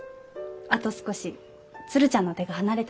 あと少し鶴ちゃんの手が離れたら。